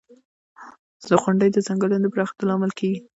• غونډۍ د ځنګلونو د پراخېدو لامل کېږي.